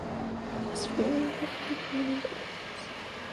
It is fairly readily grown in gardens.